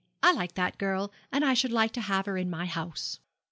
I like that girl, and I should like to have her in my house."